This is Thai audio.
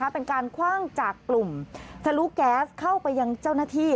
เป็นการคว่างจากกลุ่มทะลุแก๊สเข้าไปยังเจ้าหน้าที่